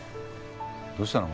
どうしたの？